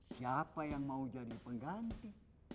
siapa yang mau jadi pengganti